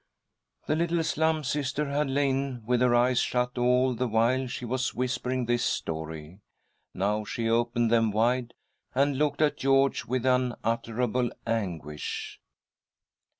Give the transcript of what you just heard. The little Slum Sister had lain with her eyes shut all the while she was whispering this story. Now she opened them wide, and looked at George with unutterable anguish.